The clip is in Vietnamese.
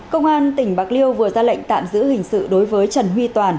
công an tỉnh bạc liêu vừa ra lệnh tạm giữ hình sự đối với trần huy toàn